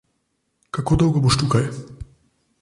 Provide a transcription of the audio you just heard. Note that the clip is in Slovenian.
Kako dolgo boš tukaj?